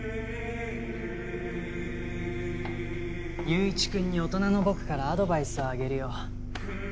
友一くんに大人の僕からアドバイスをあげるよ。